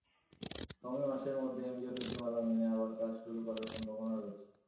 আগামী মাসের মধ্যে এনজিও নীতিমালা মেনে আবার কাজ শুরু করার সম্ভাবনা রয়েছে।